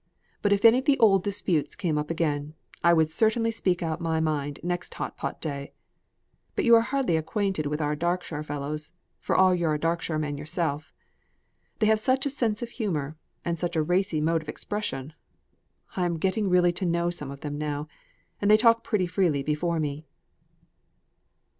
But if any of the old disputes came up again, I would certainly speak out my mind next hot pot day. But you are hardly acquainted with our Darkshire fellows, for all you're a Darkshire man yourself. They have such a sense of humour, and such a racy mode of expression! I am getting really to know some of them now, and they talk pretty freely before me."